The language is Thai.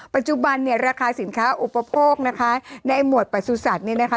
ปัจจุบันเนี่ยราคาสินค้าอุปโภคนะคะในหมวดประสุทธิ์เนี่ยนะคะ